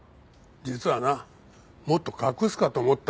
実はなもっと隠すかと思ったんだよ。